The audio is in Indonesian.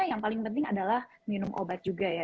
yang paling penting adalah minum obat juga ya